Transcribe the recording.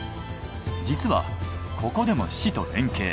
実はここでも市と連携。